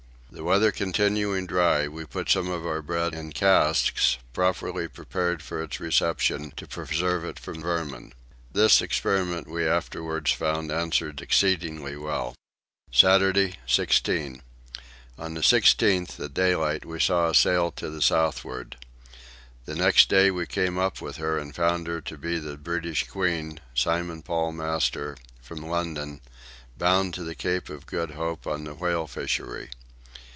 The weather continuing dry we put some of our bread in casks, properly prepared for its reception, to preserve it from vermin: this experiment we afterwards found answered exceedingly well. Saturday 16. On the 16th at daylight we saw a sail to the southward. The next day we came up with her and found her to be the British Queen, Simon Paul, master, from London, bound to the Cape of Good Hope on the whale fishery.